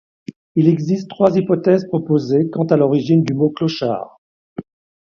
Il existe trois hypothèses proposées quant à l'origine du mot clochard.